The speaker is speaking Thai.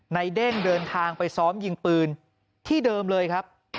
เด้งเดินทางไปซ้อมยิงปืนที่เดิมเลยครับ